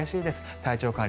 体調管理